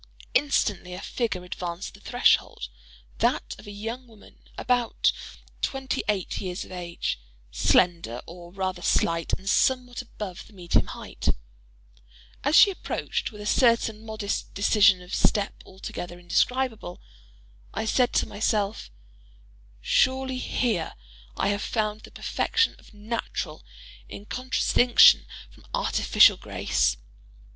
Instantly a figure advanced to the threshold—that of a young woman about twenty eight years of age—slender, or rather slight, and somewhat above the medium height. As she approached, with a certain modest decision of step altogether indescribable. I said to myself, "Surely here I have found the perfection of natural, in contradistinction from artificial grace."